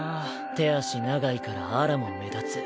手足長いから粗も目立つ。